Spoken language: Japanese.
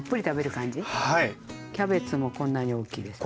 キャベツもこんなに大きいですね。